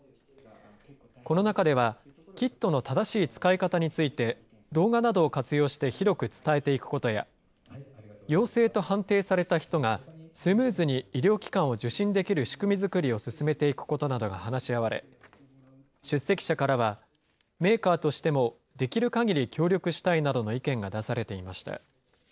この中では、キットの正しい使い方について、動画などを活用して広く伝えていくことや、陽性と判定された人がスムーズに医療機関を受診できる仕組み作りを進めていくことなどが話し合われ、出席者からは、メーカーとしてもできるかぎり協力したいなどの意見が出されていました。